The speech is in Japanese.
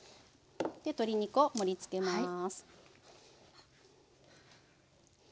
で鶏肉を盛りつけます。